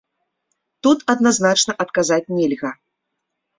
Тут адназначна адказаць нельга.